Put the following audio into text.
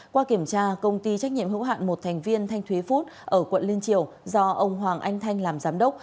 qua kiểm tra công ty trách nhiệm hữu hạn một thành viên thanh thuế food ở quận liên triều do ông hoàng anh thanh làm giám đốc